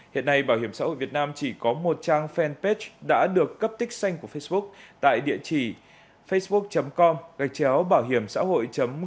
hiện nay bảo hiểm xã hội việt nam chỉ có một trang fanpage đã được cấp tích xanh của facebook tại địa chỉ facebook com gạch chéo bảo hiểm xã hội gov vn